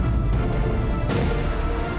aku akan buktikan